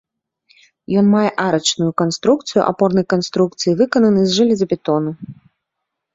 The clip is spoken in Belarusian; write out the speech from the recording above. Ён мае арачную канструкцыю, апорнай канструкцыі выкананы з жалезабетону.